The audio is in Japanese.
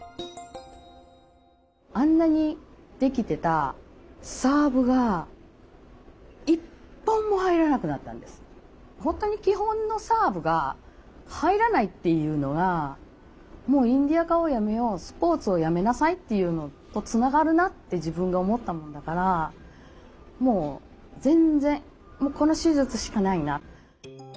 あんなにできてた本当に基本のサーブが入らないっていうのはもうインディアカをやめようスポーツをやめなさいっていうのとつながるなって自分が思ったもんだからもう全然もうこの手術しかないな。